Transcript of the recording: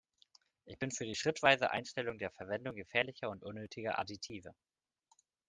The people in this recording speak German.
Ich bin für die schrittweise Einstellung der Verwendung gefährlicher und unnötiger Additive.